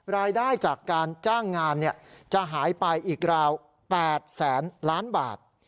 รายได้จากการจ้างงานจะหายไปอีกราว๘แสนล้านบาท